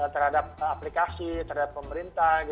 terhadap aplikasi terhadap pemerintah